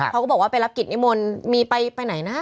เขาก็บอกว่าไปรับกิจนิมนต์มีไปไหนนะ